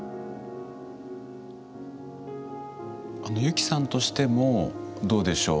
あのユキさんとしてもどうでしょう